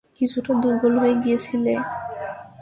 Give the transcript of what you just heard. কিছুটা দুর্বল হয়ে গিয়েছিলে।